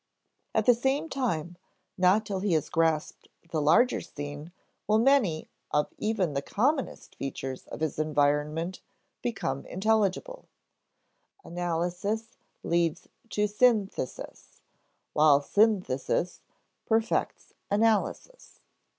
At the same time, not till he has grasped the larger scene will many of even the commonest features of his environment become intelligible. Analysis leads to synthesis; while synthesis perfects analysis.